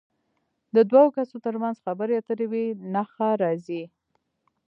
د دوو کسو تر منځ خبرې اترې وي نښه راځي.